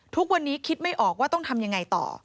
ทุกวันนี้คิดไม่ออกว่าต้องทำยังไงต่อ